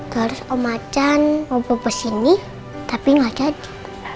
terus omacan mau bobo sini tapi gak jadi